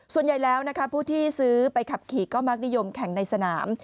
ส่วนใหญ่แล้วนะคะผู้ที่ซื้อไปขับขี่ก็มักนิยมแข่งในสนาม